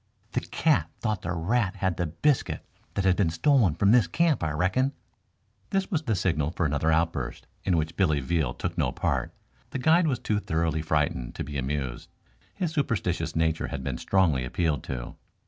"The cat thought the rat had the biscuit that have been stolen from this camp, I reckon." This was the signal for another outburst, in which Billy Veal took no part. The guide was too thoroughly frightened to be amused. His superstitious nature had been strongly appealed to.